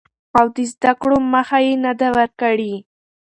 او د زده کړو مخه يې نه ده ورکړې.